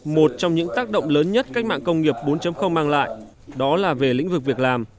một trong những tác động lớn nhất cách mạng công nghiệp bốn mang lại đó là về lĩnh vực việc làm